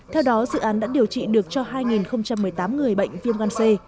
theo đó dự án đã điều trị được cho hai một mươi tám người bệnh viêm gan c